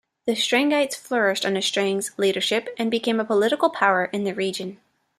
The Strangites flourished under Strang's leadership and became a political power in the region.